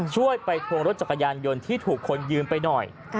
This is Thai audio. ช่วยไปทวงรถจักรยานยนต์ที่ถูกคนยืมไปหน่อย